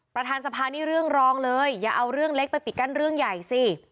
ประธานสภานี่เรื่องรองเลยอย่าเอาเรื่องเล็กไปปิดกั้นเรื่องใหญ่สิ